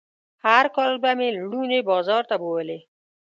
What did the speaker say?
هر کال به مې لوڼې بازار ته بوولې.